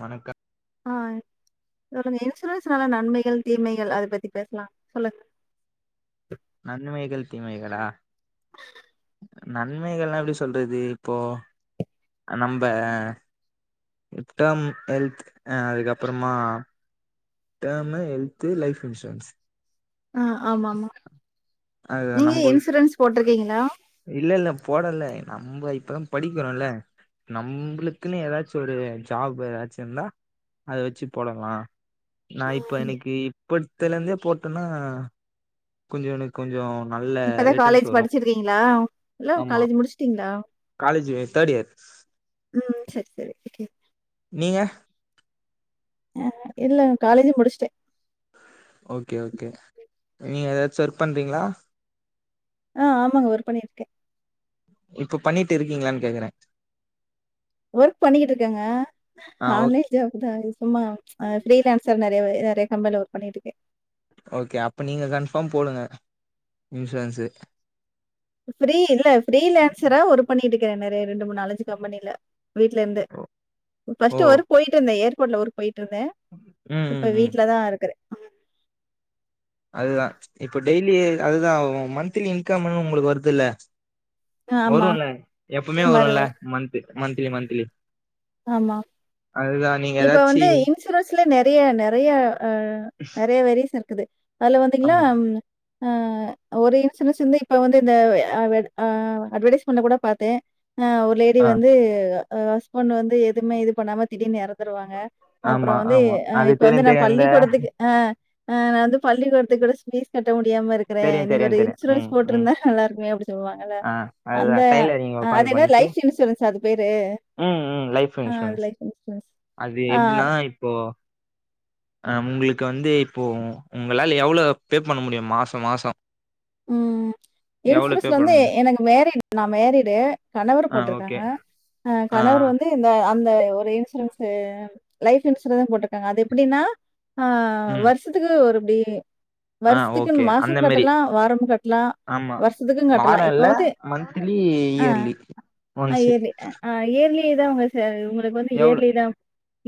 வணக்கம் அ சொல்லுங்க இன்சூரன்ஸ்னால நன்மைகள் தீமைகள் அத பத்தி பேசலாம் சொல்லுங்க நன்மைகள் தீமைகளா நன்மைகள்லா எப்படி சொல்றது இப்போ நம்ப டேம் ஹெல்த் அ அதுக்கப்பறமா டேம்மு ஹெல்து லைஃப் இன்சூரன்ஸ் அ ஆமா நீங்க இன்சூரன்ஸ் போட்டுருக்கீங்களா இல்லல்ல போடல நம்ம இப்பதா படிக்கிறோம்ல்ல நம்ளுக்குன்னு எதாச்சும் ஒரு ஜாப் எதாச்சுருந்தா அத வச்சு போடலா நா இப்ப இன்னக்கு இப்பத்துல இருந்தே போட்டன்னா கொஞ்ச எனக்கு கொஞ்ச நல்ல இப்பதான் ரிட்டன்ஸ் காலேஜ் வரு படிச்சிருக்கீங்களா? இல்ல ஆமா காலேஜ் முடிச்சுட்டீங்களா? காலேஜ்வே த்தேட் இயர் ம் செரி செரி ஓகே நீங்க ஆ இல்லங் காலேஜு முடிச்டே ஓகே ஓகே நீங்க ஏதாச்சு ஒர்க் பண்றீங்களா ஆ ஆமாங்க ஒர்க் பண்ணிருக்கே இப்ப பண்ணிட்டு இருக்கீங்களான்னு கேக்குறே வொர்க் பண்ணிக்கிட்டு இருக்கேங்க ஆ ஓக் ஆன்லை [unintelligible] தா சும்மா ஃப்ரீலான்ஸர் நெறைய நெறைய கம்பெனில ஒர்க் பண்ணிட்டு இருக்கே ஓகே அப்ப நீங்க கன்ஃபார்ம் போடுங்க இன்சூரன்ஸு ஃப்ரீ இல்ல ஃப்ரீ லான்சரா ஒர் பண்ணிட்டு இருக்கே நெறைய ரெண்டு மூணு நாலஞ்சு கம்பனியில வீட்ல இருந்தே ஓ பஸ்ட் ஒர்க் போயிட்டு இருந்தே ஏர்போர்ட்ல ஒருக்கு போயிட்டு இருந்தே ம் ம் இப்ப ம் வீட்லதா இருக்கே அதுதா இப்ப டெய்லி அதுதா மந்த்லி இன்கம்னு உங்களுக்கு வருதுல்ல ஆமா. வருல்ல எப்பவுமே ம் வரு வருல்ல மன்த் மந்த்லி மந்த்லி ஆமா அதுதா நீங்க இப்ப ஏதாச்சி வந்து இன்சூரன்ஸ்லயே நெறைய நெறைய ஆ நெறைய வேரிஎஸ் இருக்குது அதுல வந்தீங்களா ஆமா ஒரு இன்சூரன்ஸ் இருந்து இப்ப வந்து இந்த அட்வர்டைஸ்மெண்ட்ல கூட பாத்தே லேடி ஆ வந்து ஹஸ்பண்ட் வந்து எதுவுமே இது பண்ணாம திடீர்னு எறந்துருவாங்க அப்புற ஆமா வந்து ஆமா அ அது இப்ப வந்து தெரியு நா தெரியு இந்த பள்ளிக்கொடத்துக்கு ஆ ஆ நா வந்து பள்ளிக்கொடத்துக்கு கூட பீஸ் கட்ட முடியாம இருக்றே தெரியு நீங்க தெரியு ஒரு தெரியு ம் இன்சூரன்ஸ் ம் போட்ருந்தா நல்லா இருக்குமே அப்டி சொல்லுவாங்கல்ல ஆ அதுதா அந்த டைலரிங் உக்காந்து அது என்ன பண்ணிட்டு லைஃப் இன்சூரன்ஸா அது பேரு ம் ம் லைஃப் ஆ அது இன்சூரன்ஸ் லைஃப் இன்சூரன்ஸ். அது ஆ. எப்டின்னா இப்போ அ உங்களுக்கு வந்து இப்போ உங்களால எவ்ளோ பே பண்ண முடியு மாசமாசம் ம் இன்சூரன்ஸ் பண்ண வந்து முடியு எனக்கு மேரிட் நான் மேரிடு கணவர் ஆ போட்ருக்காங்க ஓகே ஆ கணவர் வந்து இந்த அந்த ஒரு இன்சூரன்ஸ் லைஃப் இன்சூரன்ஸ் போட்ருக்காங்க அது எப்டின்னா ஆ ம் வருஷத்துக்கு ஒரு இப்டி ஆ வருஷத்துக்கு ஓகே அந்த மாசம் மாரி கட்டலா வாரோ லா ஆமா வருஷத்துக்கு கட்டலா வாரோ இப்ப இல்ல வந்து மந்த்லி ஆ இயர்லி அ ஒன்ஸ் எது இ அ ஆ இயர்லிதா உங்க சே உங்களுக்கு வந்து எவ்ளோ இயர்லி தான்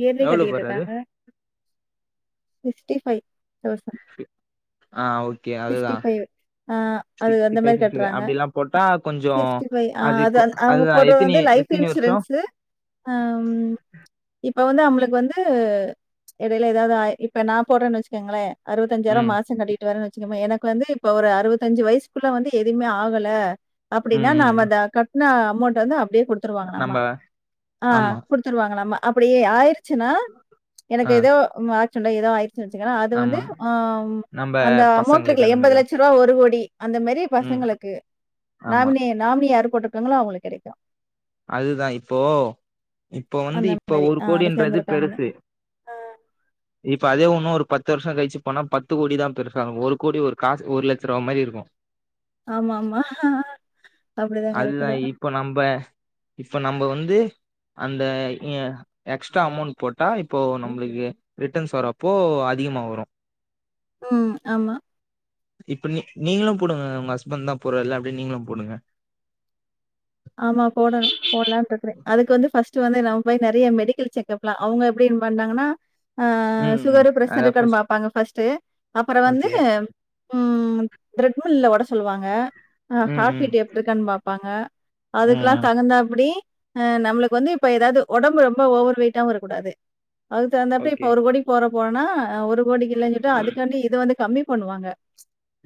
இயர்லி எவ்ளோ கட்டிக்கிட்டு ப்ரோ அது இருக்காங்க ஃபிப்டி ஃபைவ் தௌசன் ஆ ஓகே அதுதா சிக்ஸிடி ஃபைவ் அ அது சிக்ஸ்டி அந்த ஃபைவ் மாரி சிக்ஸ்டி ஃபைவ் கட்றாங்க அப்டிலா போட்டா ஸ் கொஞ்சோ சிக்ஸிடி ஃபை ஆ அது அவங்க அதுதா போட்றத் எத்தினி வந்து லைஃப் ல்த் எத்தினி வருஷோ இன்சுரன்சு ஆம் இப்ப வந்து அவுங்ளுக்கு வந்து இடையில ஏதாவது ஆயி இப்ப நா போட்றேன்னு வெச்சுக்கேங்களே அறுபத்தஞ்சாயிரம் ம் மாச கட்டிட்டு வரேனுவச்சிக்கம எனக்கு வந்து இப்ப ஒரு அறுவத்தஞ்சு வயசுகுள்ள வந்து எதுவுமே ஆகல அப்படின்னா ம் நாம ம் இத கட்ன அமௌண்ட் வந்து அப்டியே கொடுத் ட்ருவாங்க நம்ம ஆ ஆமா குடுத் துருவாங்க நம்ம அப்படியே ஆயிடுச்சுன்னா ஆ எனக்கு ஏதோ ம் ஆக்ஸிடன்ட் ஏதோ ஆயிட் சுன்னா வச்சுங்கன்னா அது வந்து ஆமா அ நம்ம அந்த அமௌண்ட் பசங்களுக்கு இருக்குல்ல அந்த எண்பது மாரி லட்சம் [unintelligible] ஒரு கோடி அந்த மேரி ம் பசங்களுக்கு ஆமா நாமினி நாமினி யாரு போட்டிருக்காங்ளோ அவங்களுக்கு கிடைக்கும் அதுதா இப்போ இப்போ வந்து அந்த இப்ப மாரி. ஒரு ஆ அதுல கோடின்றது சேர்ந்திருக்காங்கன்னு. பெருசு இப்ப அதே உண்ணும் ஒரு பத்து வருஷ கழிச்சு பண்ணா பத்து கோடிதா பெருசாகும் ஒரு கோடி ஒரு காசு ஒரு லட்ச ரூபா மாரி இருக்கே ஆமா ஆமா அப்படிதா கரெக்ட் அதுதா தா இப்ப நம்ப இப்ப நம்ம வந்து அந்த இ ஆ எக்ஸ்ட்ரா அமௌண்ட் போட்டா இப்போ நம்மளுக்கு ரிட்டர்ன்ஸ் வரப்போ அதிகமா வரோ அம் ஆமா இப்ப நீ நீங்களூ போடுங்க உங்க ஹஸ்பண்ட் தா போறார்ல்ல அப்டியே நீங்களூ போடுங்க ஆமா போடணு போட்லான்ட் இருக்கறே அதுக்கு வந்து ஃபர்ஸ்ட் ஃப்ர்ஸ்ட் வந்து நம்ம போய் நெறய மெடிக்கல் செக்கப்லா அவங்க எப்டி பண்ணாங்கன்னா ஆ ம் ம் சுகரு பிரஷர் அதா இருக்கான்னு ஃபர்ஸ்ட் பாபாங்க ஃபஸ்ட்டு அப்றோ வந்து ஓகே ம் த்ரெட்மில்ல ஓட சொல்லுவாங்க அ ம் ஹார்ட் ம் பீட் எப்டி இருக்கன் பாப்பாங்க ம் அதுக்கெல்லா ம் தகுந்தாப்படி அ நம்மளுக்கு வந்து இப்ப ஏதாது ஒடம்பு ரொம்ப ஓவர் வெயிட்டாவு இருக்கூடாது அதுக் தகுந்தாப்படி இப்ப ஓகே ஒரு கோடிக்கு போற போறனா ஒரு கோடிக்கு இல்லைனு சொல்ட்டு அதுக்காண்டி இது வந்து கம்மி பண்ணுவாங்க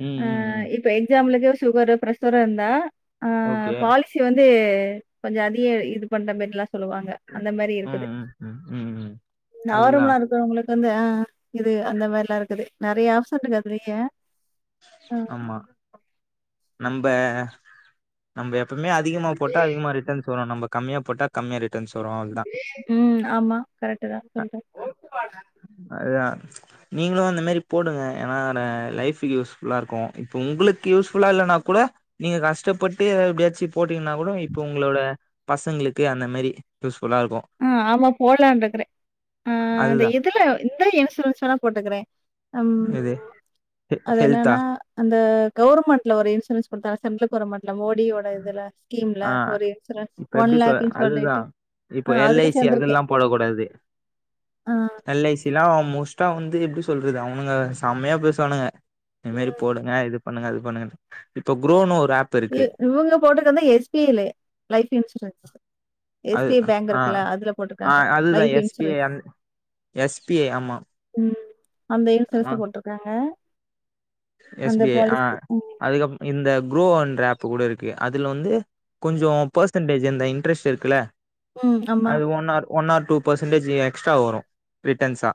ம் ஆ ம் ம் இப்ப எக்ஜாம்பிலுக்கு ஒரு சுகரு பிரஷரு இருந்தா ஆ ஓகே பாலி சி வந்து கொஞ்சோ அதிக இது பண்ற மேரில்லா சொல்லுவாங்க அந்த மாரி ம் இருக்குது ம் ம் ம் ம் அதுதா நார்மல்லா இருக்கறவங்களுக் வந்து ஆ இது அந்த மாரிலா இருக்குது நெறய ஆப்ஷன் இருக்குது அதுலயே ஆ, ஆமா நம்ப நம்ப எப் எப்பமே அதிகமா போட்டா அதிகமா ரிட்டன்ஸ் வரு நம்ம கம்மியா போட்டா கம்மியா ரிட்டன்ஸ் வரோ ம் ஆமா கரெக்ட் தா சொல்றோ அதுதா நீங்களூ அந்த மாரி போடுங்க ஏன்னா அதல லைஃப் யூஸ் ஃபுல்லா இருக்கோ இப்ப உங்களுக்கு யூஸ் ஃபுல்லா இல்லன்னாக் கூட நீங்க கஷ்டப்பட்டு எப்டியாச்சு போட்டீங்கன்னா கூட இப்ப உங்ளோட பசங்களுக்கு அந்த மாரி யூஸ் ஃபுல்லா இருக்கோ ம் ஆமா போட்லான் இருக்கறோ ஆ இந்த அதுதா இதுல இந்த இன்சூரன்ஸ் வேனா போட்டுக்கறோ ம் இது ஹெ அது ஹெல்த்தா என்னன்னா அந்த கவர்மெண்ட்ல ஒரு இன்சூரன்ஸ் குடுத்தாங்க சென்ட்ரல் கவர்மென்ட் அந்த மோடியோட இதுல ஸ்கீம்ல ஆ ஒரு இன்சூரன்ஸ் இப்ப ஒன் எப்டி சொ லேக்குன்னு அதுதா சொல்லிட்டு இப்போ ஆ அதுல எல்ஐசி சேந்திருக்கே அதெல்லா போடக் கூடாது ஆ எல்ஐசிலா அ மோஸ்ட்டா வந்து எப்டி சொல்றது அவனுங்க செம்மயா பேசுவானுங்க இந்த மாரி போடுங்க இது பண்ணுங்க அது பண்ணுங்க இப்ப குரோ ஒரு ஆப் எ இருக்கு இவங்க போட்டது வந்து எஸ் பி ஐ ல லைஃப் இன்சூரன்ஸ் எஸ் அது பி ஐ பேங்க் ஆ இருக்குல்ல அதுல ஆ போட்ருக்காங்க அதுதா life S K insurance N S B I ஆமா ம் அந்த ஆ இன்சூரன்ஸ்தா போட்ருக்காங்க எஸ் அந்த பி ஐ அ பாலிசி ம் அதுகப் இந்த குரோ அண்ட்ர ஆப் கூட இருக்கு அதுல வந்து கொஞ்சோ பர்சன்டேஜ் இந்த இன்ட்ரெஸ்ட் இருக்குல்ல ம் ஆமா அது one or one or two percentage extra வரும் ரிட்டர்ன்ஸா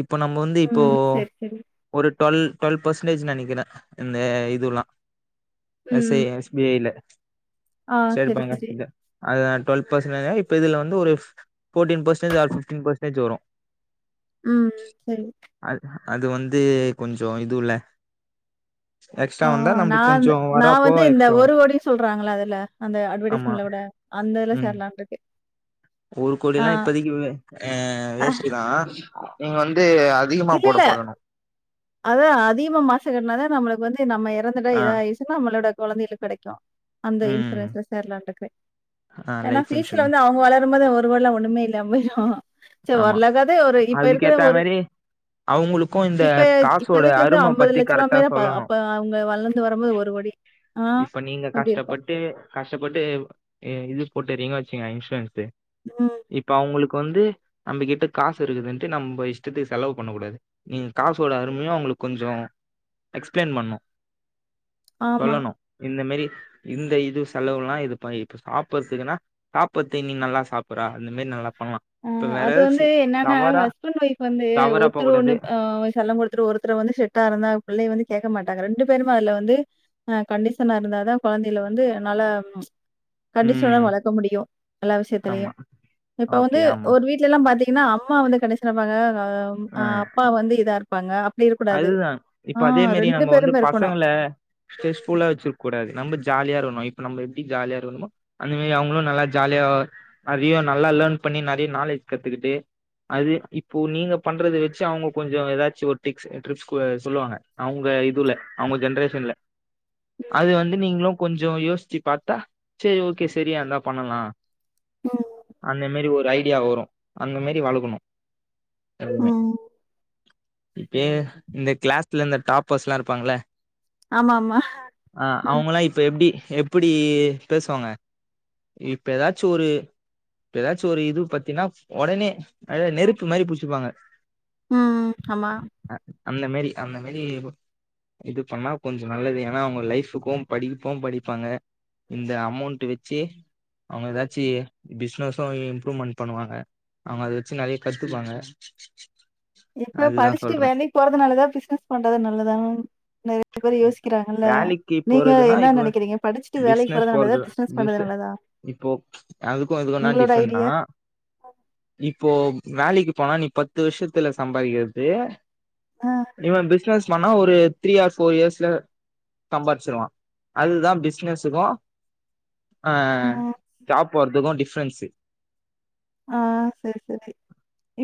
இப்போ நம்ம வந்து இப்போ ம் செரி செரி ஒரு ட்வல் ட்வல் பர்சன்டேஜ்ன்னு நெனைக்கிற இந்த இதுல்லா மெசே ம் பி ஐ ல ஆ ஸ்டேட் செரி பேங்க் ஆப் செரி இத்தா அது ட்வல் பர்சன்டேஜ்னா இப்ப இதுல வந்து ஒரு fourteen percentage or fifteen percentage வரு ம் சரி அ அது வந்து கொஞ்சோ இதுல்ல எக்ஸ்ட்ரா ஆ வந்தா நா நம்மளுக்கு வந் கொஞ்சோ நா வரப்போ வந்து இந்த எக்ஸ்ட்ரா ஒரு வரு கோடினு சொல்றாங்கில்ல அதுல அந்த ஆமா அட்வர்டைஸ்மெண்ட்ல கூட அந்த இதுல ம் சேரலானுட்டு இருக்கே ஒரு ஆ கோடில்லா இப்பதைக்கு அ வேஸ்ட் தா நீங்க வந்து அதிகமா போட இல்லல்ல பாக்கணு அதா அதிகமா மாச கட்னாதா நம்மளுக்கு வந்து நம்ம எறந்துட்டா ஆ இதா யூஸ் நம்மளோட கொழந்தைங்களுக்கு கெடைக்கு அந்த ம் இன்சூரன்ஸ்ல சேரலான்ட்டு இருக்கே ஆ ஏன்னா லைஃப் பியூச்சர்ல இன்சூரன்ஸ் வந்து அவங்க வளரும் போது ஒரு கோடில்லா ஒண்ணுமே இல்லாம போயிரு சேரி ஆமா ஒரளவுக்காது ஒரு இப்ப இருக்கற அதுக்கேத்த ஒரு மாரி அவங்களுக்கு இந்த இப்ப இப்ப காசோட இதுக்கு வந்து அரும அம்பது பத்தி லட்ச ரூபா கரெக்டா மேல சொல்லணு அப்ப அவங்க வளந் து வரும்போது ஒரு கோடி இப்ப நீங்க கஷ்டப்பட்டு கஷ்டப்பட்டு அ இது போட்டுறீங்க வச்சுங்க இன்சூரன்ஸ்சு உம் இப்ப அவுங்களுக்கு வந்து நம்மகிட்ட காசு இருக்குதுன்ட்டு நம்ப இஷ்டத்துக்கு செலவு பண்ணக் கூடாது நீங்க காசோட அருமைய அங்களுக்கு கொஞ்சோ எக்ஸ்பிளென் பண்ணும் ஆமா. சொல்லணு இந்த மெறி இந்த இது செலவுல்லா இது ப இப்ப சாப்றதுக்குன்னா சாப்பற்து நீ நல்லா சாப்புற்றா அந்த மாறி நல்லா பண்லா ஆ இப்ப வேற அது வந்து ஏதாச்சு என்னன்னா தவறா ஹஸ்பண்ட் ஒய்ஃப் வந்து தவறா போக ஒருத்தர் கூடாது ஒண்ணு செல்லம் குடுத் ஒருத்தர் ஒருத்தர வந்து ஷெட்டா இருந்தா பிள்ளைய வந்து கேக்க மாட்டாங்க ரெண்டு பேருமே அதுல வந்து அ கண்டிஷனா இருந்தாதா கொழந்தைல வந்து நல்லா கண்டிஷனா ம் வளக்க முடியு எல்லா விஷயத்தலையு ஆமா இப்ப வந்து ஓகே ஆமா ஒரு வீட்ல எல்லா பாத்தீங்கன்னா அம்மா வந்து கண்டிஷனா இருப்பாங்க ஆ அப்பா வந்து இதா இருப் பாங்க அப்டி இருக்க கூடாது அதுதா இப்ப ஆ ரெண்டு பேருமே இருக்கணு ஸ்ட்ரெஸ் ஃபுல்லா வச்சிருக்கூடாது நம்ம ஜாலியா இருக்கணு இப்ப நம்ம எப்டி ஜாலியா இருக்கணுமோ அந்த மாறி அவங்களும் நல்லா ஜாலியா நறிய நல்லா லேர்ன் பண்ணி நறிய நாலேஜ் கத்துக்கிட்டு அது இப்போ நீங்க பண்றது வச்சு அவங்க கொஞ்சோ ஏதாச்சு ஒரு டிப்ஸ் ட்ரிப்பிஸ் கூட சொல்லுவாங்க அவங்க இதுல அவங்க ஜென்ரேஷன்ல அது வந்து நீங்களு கொஞ்சோ யோசிச்சு பாத்தா சேரி ஓகே சரியா இருந்தா பண்ணலா ம், அந்த மெறி ஒரு ஐடியா வரும் அந்த மாறி வளக்கணு எப்பவுமே ம். இப்பயே இந்த கிளாஸ்ல இந்த டாப்பர்ஸ்லா இருப்பாங்கில்ல ஆமா ஆமா ஆ அவுங்கல்லா இப்ப எப்டி எப்டி பேசுவாங்க இப்ப எதாச்சு ஒரு இப்ப எதாச்சு ஒரு இது பாத்தீன்னா ஒடனே அத நெருப்பு மாரி புச்சுப்பாங்க ம் ம் ஆமா அ அந்த மேரி அந்த மேரி இது பண்ணா கொஞ்சோ நல்லது ஏன்னா அவுங்க லைஃபுக்கு படிப்பூ படிப்பாங்க இந்த அமௌண்ட் வச்சி அவங்க எதாச்சி பிஸ்னஸும் இம்ப்ரூவ்மெண்ட் பண்ணுவாங்க அவங்க அத வச்சு நெறைய கத்துப்பாங்க இப்ப அதுதா படிச்சுட்டு சொல்றே வேலைக்கு போறது நல்லதா பிஸ்னஸ் பண்றது நல்லதா நெறைய பேரு யோசிக்கிறாங்கல்ல வேலைக்கு நீங்க போறதுன்னா என்னா இப்ப நெனக்கிறீங்க படிச்சுட்டு வேலைக்கு பிசினஸ் போறது நல்லதா பிஸ்னஸ் பண்றது பிஸ் நல்லதா இப்போ அதுக்கோ இதுக்கு இன்னா உங்களோட டிஃப்ரெண்ட்னா ஐடியா? இப்போ வேலைக்கு போனா நீ பத்து வருஷத்துல சம்பாதிக்கிறது அ இவென் பிசினஸ் பண்ணா ஒரு த்ரீ ஆர் ஃபோர் இயர்ஸ்ல சம்பாச்சிருவா அதுதா பிஸ்னஸுக்கூ ஆ ஜாப் போறதுக்கூ டிஃப்ரென்ஸு ஆ சரி சரி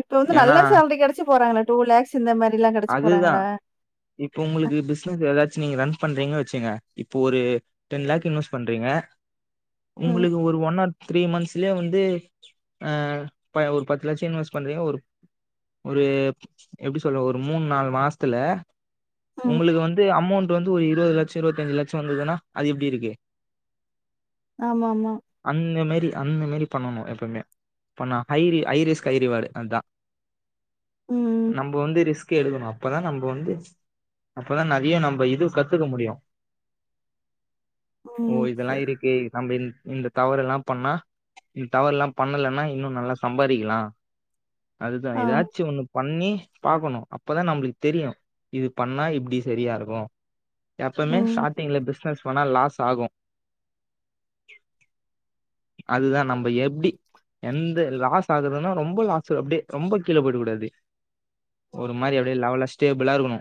இப்ப வந்து நல்ல ஏன்னா சால்ரி கெடச்சி போறாங்களே டூ லாக்ஸ் இந்த மாரிலா கெடைச்சி அதுதா போறாங்கள இப்ப உங்களுக்கு பிசினஸ் எதாச்சு நீங்க ரன் பண்றீங்கன்னு வச்சுங்க இப்போ ஒரு டென் லாக் இன்வெஸ்ட் பண்றீங்க ம், உங்களுக்கு ஒரு ஒன் ஆர் த்ரீ மந்த்ஸ்லியே வந்து ஆ பய ஒரு பத்து லட்சோ இன்வெஸ்ட் பண்றீங்க ஒரு ஒரு எப்டி சொல்றது ஒரு மூன் நால் மாஸ்த்துல ம். உங்களுக்கு வந்து அமோண்ட் இப்ப வந்து ஒரு இருவது லட்சோ இருவத்தஞ்சு லட்சோ வந்ததுன்னா அது எப்டி இருக்கு ஆமா ஆமா அந்த மேரி அந்த மேரி பண்ணணு எப்பமே பண்ணா ஹைரி ஐரிஸ்க் ஹைரிவார்டு அதா ம், நம்போ வந்து ரிஸ்க் எடுக்கணு அப்பதா நம்ப வந்து அப்பதா நெறய நம்ப இது கத்துக்க முடியு ஓ ம். சரி. இதெல்லா இருக்கு நம்ப இந்த தவறெல்லா பண்ணா இந் தவறுல்லா பண்ணலனா இன்னு நல்லா சம்பாறிக்கலா அதுதா ஆ, எதாச்சு ஒண்ணு பண்ணி பாக்கணு அப்பதா நம்புளுக்கு தெரியு இது பண்ணா இப்டி சரியா இருக்கு எப்பமே ம். ஸ்டாடிங்ல பிஸ்னஸ் பண்ணா லாஸ் ஆகு [inaudible] அதுதா நம்ம எப்டி எந்த லாஸ் ஆகுதுன்னா ரொம்ப லாஸ் அப்டே ரொம்ப கீழே போய்டகூடாது ப்ளா இருக்கனு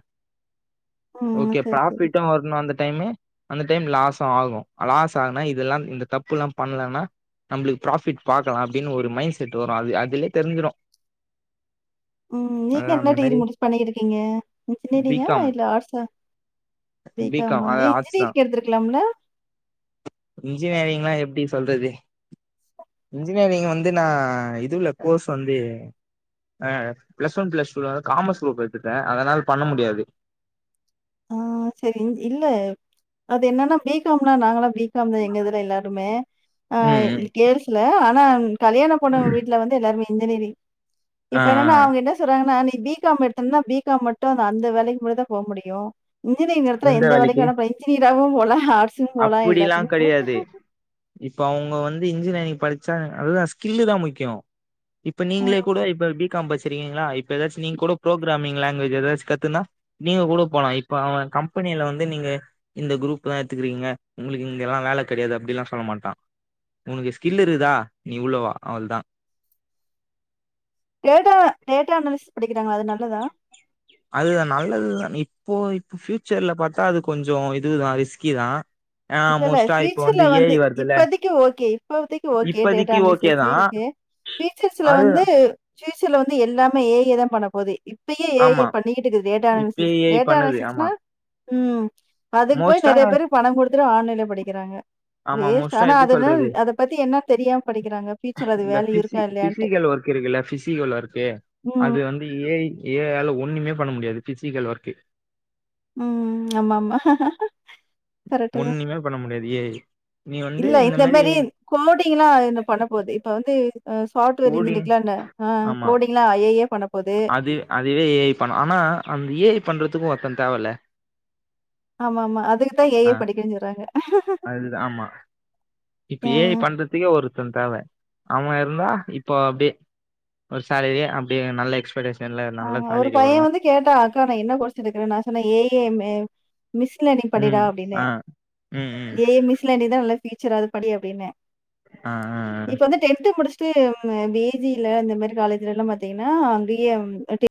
ம். ஓகே சரி, சரி. ப்ராபிட்டு வரணு அந்த டைமு அந்த டைம் லாஸு ஆகு லாஸ் ஆனா இதெல்லா இந்த தப்புலா பண்லனா நம்மளுக்கு ப்ராஃபிட் பாக்கலா அப்டின்னு ஒரு மைண்ட் செட் வரு அது அதுலே தெரி்ஞ்சிரு ம் நீங்க என்ன அந்த டி கிரி மாரி முடிச்சு பண்ணிட்டு இருக்கீங்க பி இஞ்சினேரிங்கா காம் இல்ல ஆட்ஸா பி காம் காமா அது ஏ இன்ஜினியரிங் எடுத்துருக்கலாம்ல இன்ஜினேரிங்லா எப்டி சொல்றது இன்ஜினேரிங் வந்து நா இதுல கோர்ஸ் வந்து அ ப்ளஸ் ஒன் ப்ளஸ் டூல காமஸ் க்ரூப் எட்த்துட்டே அதனால் பண்ண முடியாது ஆ சேரிங் இல்ல அது என்னன்னா பி காம் னா நாங்கல்லா பி காம் தா எங்க இதுல எல்லாருமே ஆ ம் ம் அ கேல்ஸ்ல ஆனா கல்யாண பொண்ணு வீட்ல வந்து எல்லார்மே இன்ஜினியரிங் ஆ இப்ப ஆ என்னனா அவுங்க என்ன சொல்றாங்கனா நீ பி காம் எடுத்திர்ந்தா பி காம் மட்டு அந்த அந்த வேலைக் மட்டுந்தா போ முடியு இன்ஜினியரிங் எடுத்துடா எந்த வேலைக்கு வேணா போலா இன்ஜினியராவு போலா, ஆட்ஸு போலா அப்டிலா எல்லாத்துமே போலா கெடையாது இப்ப அவுங்க வந்து இன்ஜினியரிங் படிச்சா அதுதா ஸ்கில்லு தா முக்கியோ இப்ப அ நீங்ளே கூட இப்ப பி காம் பச்சிரீங்களா இப்ப எதாச்சு நீங் கூட புரோக்ராமி்ங் லாங்வேஜ் எதாச்சு கத்துனா நீங்க கூட போலா இப்ப அவ கம்பெனில வந்து நீங்க இந்த க்ரூப் தா எத்துகிறீங்க உங்ளுக் இங்கெல்லா வேல கெடையாது அப்டில்லா சொல்ல மாட்டா உனக்கு ஸ்கில் இருக்குதா நீ உள்ள வா அவ்ள் தா டேட்டா டேட்டா அனலிஸ் படிக்கிறாங்கல்ல அது நல்லதா அதுதா நல்லதுதா இப்போ இப்போ ஃப்யூச்சர்ல பாத்தா அது கொஞ்ச இதுதா ரிஸ்க்கி தா ஆ மோஸ்ட்டா இப்ப வந்து ஏ ஐ வர்துல்ல கு ஓகே இப்போதிக்கு ஓகே டேட்டா அன்லைசஸு ஓகே ஃப்யூச்சர்ஸ்ல அது வந்து ஃப்யூச்சர்ல வந்து எல்லாமே ஏ ஐ யே தா பண்ண போது இப்பயே ஏ ஐ யே ஆமா பண் ணீட்டுக்குது டேட்டா இப்பயே அன்லைசஸ்ஸு ஏ ஐ டேட்டா பண்ணுது ஆமா அனலைசஸ்னா ம் அதுக்கு போய் மோஸ்ட்டா நெறைய பேருக் பணங்குடுத் துட்டு ஆன்லைன்லே படிக்கிறாங்க ஆமா வேஸ்ட்டு மோஸ்ட்டா ஆனா எப்டி சொல்றது அதென்னன் அத பத்தி என்னன் தெரியாம் படிக்கிறாங்க ஃப்யூச்சர் அது வேல்யூ இருக் தி ஃபிசிகல் ஒர்க் இருக்குல்ல ஃபிசிகல் ஒர்க்கு ம் அது ஏ வந்து ஐ ஏ ஐ ஆல ஒன்னுமே பண்ண முடியாது ஃபிசிகல் ஒர்க்கு ம் ஆமாமா கரெக்ட்டு தான். ஒன்னிமே பண்ண முடியாது ஏ ஐ நீ வந்து இந்த மாரி கோடிங்லா என்ன பண்ண போது இப்ப வந்து ம் சாஃப்ட்வேர் கோடிங் இன்ஜினிக்லா என்ன அ ஆமா கோடிங் லா ஏ ஐ பண்ண போது அது அதுவே ஏ ஐ பண்ணும் ஆனா அந்த ஏ ஐ பண்றத்துக்கு ஒர்த்த தேவல்ல ஆமா ஆமா அதுக்குதா ஏ ஐ படிக்கனு சொல்றாங்க அது தா ஆம் இப்ப அ ஏ ஐ பண்றத்துக்கே ஒருத்த தேவ அவ இருந்தா இப்போ அப்டே ஒரு சேலரியே அப்டே நல்ல எக்ஸ்படேஸ் ஆஆ ஒரு பைய வந்து கேட்டா அக்கா நா என்ன கோர்ஸ் எடுக்கறத் நா சொன்ன A I machine learning படிடா ம் அப்டின்னே ஆ ம் ம் ஏ ஐ மிஸ் லேர்னிங் தா நல்லா ஃப்யூச்சர் அது படி அப்டின்னே ஆ ஆ ஆ இப்ப வந்து டென்த்து முடிஸ் ட்டு நம்ம பி ஜி ல அந்த மாரி காலேஜ்லல்லா பாத்தீங்கனா அங்கயே அம் அ